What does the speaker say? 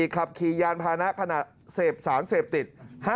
ขับขี่ยานพานะขณะเสพสารเสพติด